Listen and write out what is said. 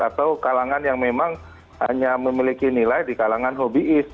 atau kalangan yang memang hanya memiliki nilai di kalangan hobiis